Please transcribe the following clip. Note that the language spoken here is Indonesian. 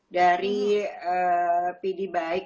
dari pidi baik